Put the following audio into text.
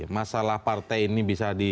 masalah partai ini bisa disebutkan seperti ini